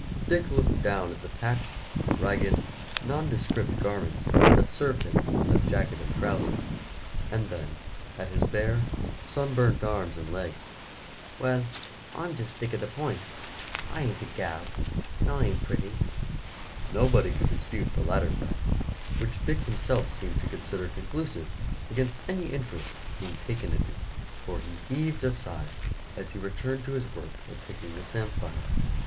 Dick looked down at the patched, ragged, nondescript garments that served him as jacket and trousers, and then at his bare, sunburnt arms and legs. "Well, I'm just Dick of the Point. I ain't a gal, and I ain't pretty." Nobody could dispute the latter fact, which Dick himself seemed to consider conclusive against any interest being taken in him, for he heaved a sigh as he returned to his work of picking the samphire.